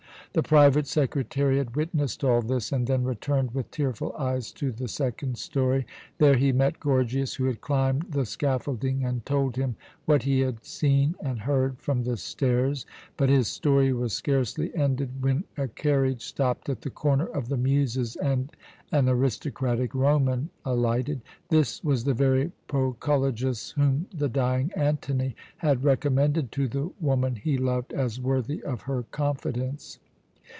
The private secretary had witnessed all this, and then returned with tearful eyes to the second story. There he met Gorgias, who had climbed the scaffolding, and told him what he had seen and heard from the stairs. But his story was scarcely ended when a carriage stopped at the Corner of the Muses and an aristocratic Roman alighted. This was the very Proculejus whom the dying Antony had recommended to the woman he loved as worthy of her confidence.